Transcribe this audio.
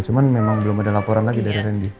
cuman memang belum ada laporan lagi dari randy